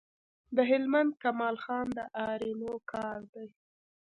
د هلمند کمال خان د آرینو کار دی